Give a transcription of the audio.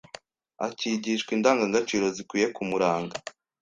akigishwa indangagaciro zikwiye kumuranga